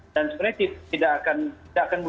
dan sebenarnya tidak akan tidak akan berusia yang sangat tinggi